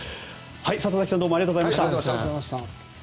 里崎さんどうもありがとうございました。